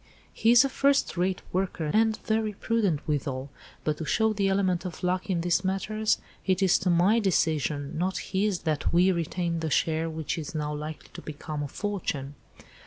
"He is a first rate worker and very prudent withal, but to show the element of luck in these matters it is to my decision, not his, that we retained the share which is now likely to become a fortune."